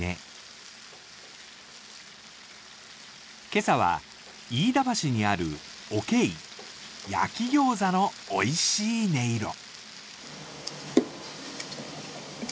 今朝は飯田橋にあるおけ以、焼きギョーザのおいしい音色。